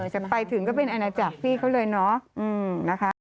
จะไปถึงก็เป็นอันนั้นจากพี่เขาเลยเนาะ